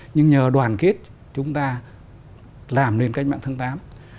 nhưng nhờ đoàn kết chúng ta làm nên cách mạng tháng tám